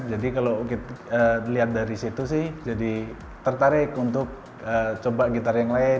jadi kalau kita lihat dari situ sih jadi tertarik untuk coba gitar yang lain